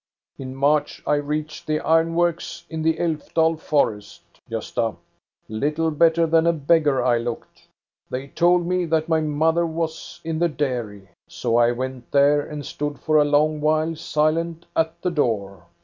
"In March I reached the iron works in the Alfdal forest, Gosta. Little better than a beggar I looked. They told me that my mother was in the dairy. So I went there, and stood for a long while silent at the door.